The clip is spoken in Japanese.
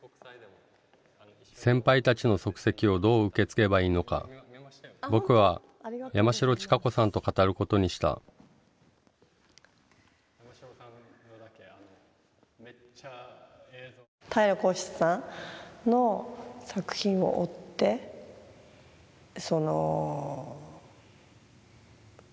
先輩たちの足跡をどう受け継げばいいのか僕は山城知佳子さんと語ることにした平良孝七さんの作品を追ってま